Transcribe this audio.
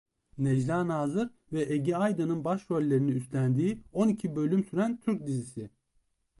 Necla Nazır ve Ege Aydan'ın başrollerini üstlendiği on iki bölüm süren Türk dizisi.